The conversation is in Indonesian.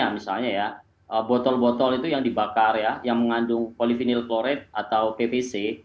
misalnya ya botol botol itu yang dibakar ya yang mengandung polivinyl chloride atau pvc